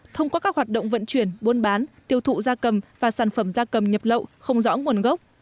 thông qua các hoạt động vận chuyển buôn bán tiêu thụ da cầm và sản phẩm da cầm nhập lậu không rõ nguồn gốc